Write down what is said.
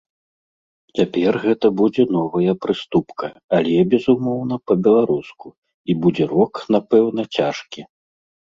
Цяпер гэта будзе новая прыступка, але, безумоўна, па-беларуску, і будзе рок, напэўна, цяжкі.